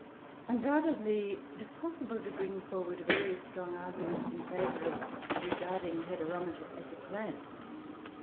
Undoubtedly it is possible to bring forward very strong arguments in favour of regarding Heteromita as a plant.